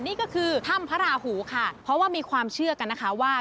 นี่ก็คือถ้ำพระราหูค่ะเพราะว่ามีความเชื่อกันนะคะว่า